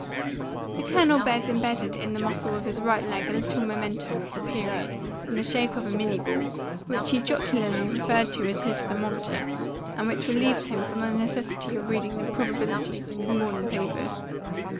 "The Colonel bears embedded in the muscle of his right leg a little memento of the period in the shape of a minie ball, which he jocularly referred to as his thermometer, and which relieves him from the necessity of reading 'The Probabilities' in his morning paper.